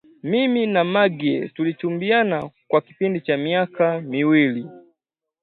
Mimi na Maggie tulichumbiana kwa kipindi cha miaka miwili